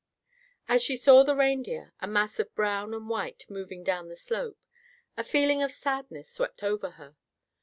As she saw the reindeer, a mass of brown and white moving down the slope, a feeling of sadness swept over her.